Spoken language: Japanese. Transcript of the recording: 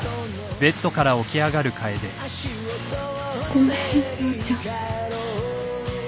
ごめん陽ちゃん。